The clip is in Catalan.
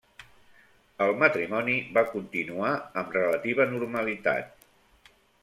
El matrimoni va continuar amb relativa normalitat.